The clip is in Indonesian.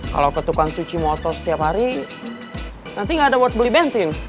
kalau ketukan cuci motor setiap hari nanti nggak ada buat beli bensin